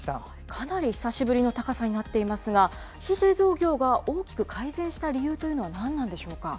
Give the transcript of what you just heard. かなり久しぶりの高さになっていますが、非製造業が大きく改善した理由というのは何なんでしょうか。